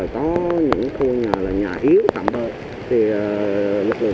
trong công tác di rời diễn